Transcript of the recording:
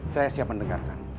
saya siap mendengarkan